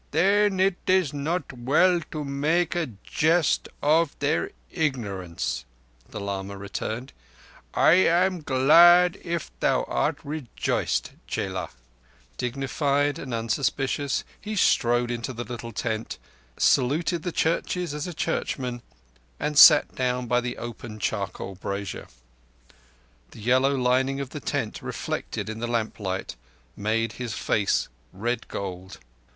"Then it is not well to make a jest of their ignorance," the lama returned. "I am glad if thou art rejoiced, chela." Dignified and unsuspicious, he strode into the little tent, saluted the Churches as a Churchman, and sat down by the open charcoal brazier. The yellow lining of the tent reflected in the lamplight made his face red gold.